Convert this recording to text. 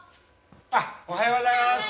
おはようございます。